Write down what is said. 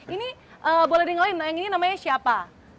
ini boleh dengerin yang ini namanya siapa